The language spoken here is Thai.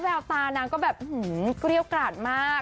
แววตานางก็แบบเกรี้ยวกราดมาก